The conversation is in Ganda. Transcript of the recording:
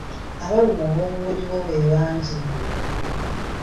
Abalumwa olw’obulungi bwo be bangi.